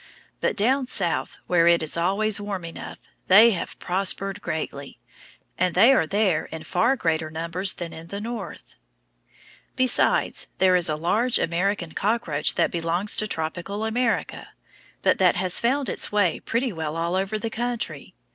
But down South, where it is always warm enough, they have prospered greatly, and they are there in far greater numbers than in the North. Besides, there is a large American cockroach that belongs to tropical America, but that has found its way pretty well over the country.